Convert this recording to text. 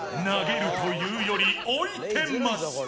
投げるというより置いてます。